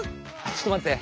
ちょっとまって。